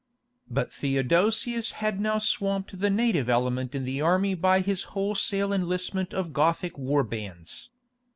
But Theodosius had now swamped the native element in the army by his wholesale enlistment of Gothic war bands.